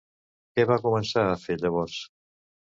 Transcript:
Què va començar a fer llavors?